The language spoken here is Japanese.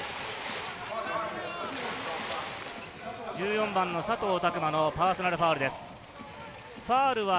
１４番の佐藤卓磨のパーソナルファウルです。